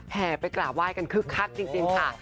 ไปกราบไห้กันคึกคักจริงค่ะ